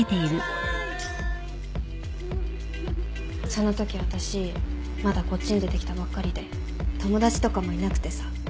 そのとき私まだこっちに出てきたばっかりで友達とかもいなくてさ。